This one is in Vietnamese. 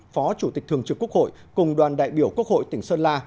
phó chủ tịch thường trực quốc hội cùng đoàn đại biểu quốc hội tỉnh sơn la